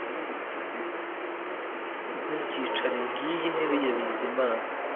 Ntukicare Ngiyo intebe ya Bizimana